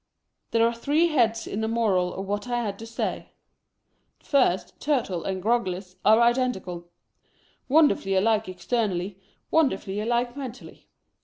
There are three heads in the moral of what I had to say. First, Turtle and Groggles are identical ; wonderfully alike externally, wonderfully alike mentally.